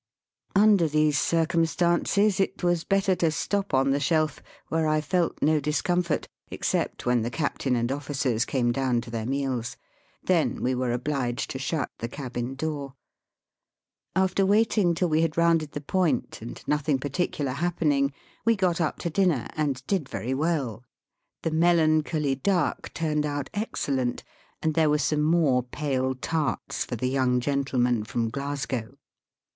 Under these circumstances it was. better to stop on the shelf, where I felt no discomfort, except when the captain and oflSicers came down to their meals. Then we were obhged to shut the cabin door. After waiting till we had roimded the point, and nothing particular Digitized by VjOOQIC BY SEA AND LAND TO KIOTO. 49 happening, we got up to dinner and did very well. The melancholy duck turned out ex cellent, and there were some more pale tarts for the young gentleman from Glasgow.